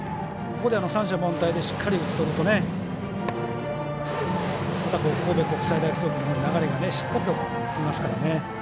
ここで三者凡退でしっかり打ち取ると神戸国際大付属も流れがしっかりときますからね。